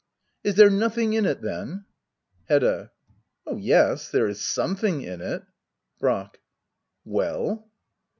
Is there nothing in it, then ? Hedda. Oh yes, there is something in it Brack. Well?